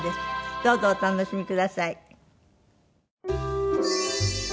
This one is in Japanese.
どうぞお楽しみください。